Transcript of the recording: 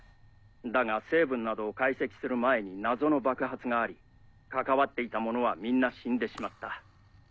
だが成分などを解析する前に謎の爆発があり関わっていた者はみんな死んでしまった。